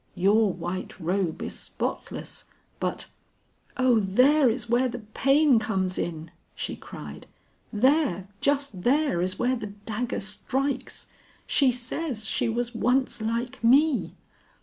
Your white robe is spotless but " "O there is where the pain comes in," she cried; "there, just there, is where the dagger strikes. She says she was once like me.